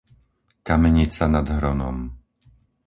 Kamenica nad Hronom